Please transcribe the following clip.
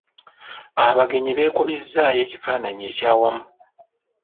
Abagenyi beekubizzaayo ekifaananyi ekyawamu.